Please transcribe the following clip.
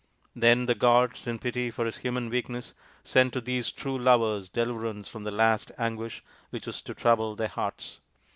Then the gods, in pity for his human weakness, sent to these true lovers deliverance from the last anguish which was to trouble their hearts.